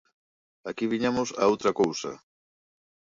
Aquí viñemos a outra cousa.